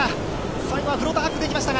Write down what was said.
最後はフロンターハックできましたが。